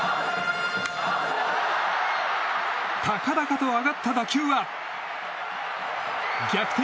高々と上がった打球は逆転